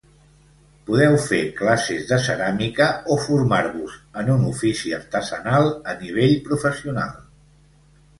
Podeu fer classes de ceràmica o formar-vos en un ofici artesanal a nivell professional.